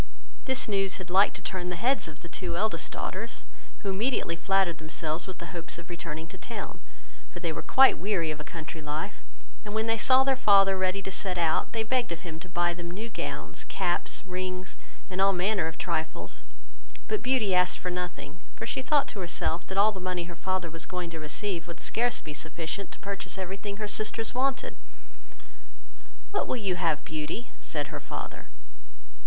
This news had liked to have turned the heads of the two eldest daughters, who immediately flattered themselves with the hopes of returning to town; for they were quite weary of a country life; and when they saw their father ready to set out, they begged of him to buy them new gowns, caps, rings, and all manner of trifles; but Beauty asked for nothing, for she thought to herself, that all the money her father was going to receive would scarce be sufficient to purchase every thing her sisters wanted. "What will you have, Beauty?" said her father.